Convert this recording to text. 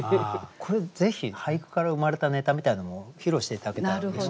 これぜひ俳句から生まれたネタみたいなのも披露して頂けたらうれしいですね。